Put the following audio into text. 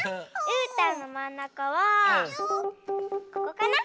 うーたんのまんなかはここかな。